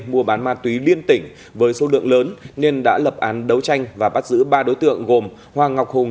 mua bán ma túy liên tỉnh với số lượng lớn nên đã lập án đấu tranh và bắt giữ ba đối tượng gồm hoàng ngọc hùng